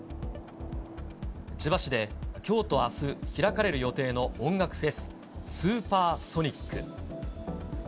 千葉市で、きょうとあす、開かれる予定の音楽フェス、スーパーソニック。